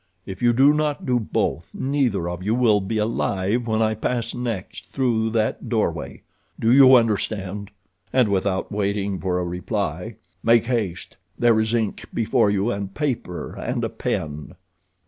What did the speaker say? If you do not do both, neither of you will be alive when I pass next through that doorway. Do you understand?" And, without waiting for a reply: "Make haste; there is ink before you, and paper and a pen."